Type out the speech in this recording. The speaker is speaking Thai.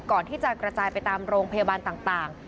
ก่อนที่จะกระจายไปตามโรงพยาบาลต่าง